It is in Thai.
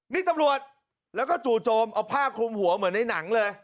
นี่ตำรวจแล้วก็จู่โจมเอาผ้าคลุมหัวเหมือนในหนังเลย